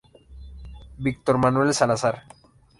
Victor Manuel Salazar.